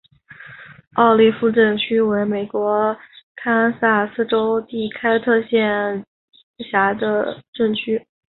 奥利夫镇区为美国堪萨斯州第开特县辖下的镇区。